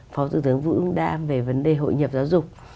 phó thủ tướng vũ ưng đa về vấn đề hội nhập giáo dục